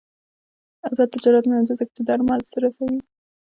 آزاد تجارت مهم دی ځکه چې درمل رسوي.